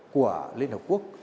của liên hợp quốc